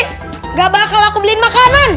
tidak bakal aku beliin makanan